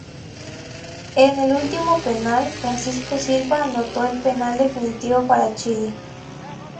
En el último penal, Francisco Silva anotó el penal definitivo para Chile.